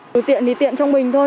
từ tiện thì tiện trong mình thôi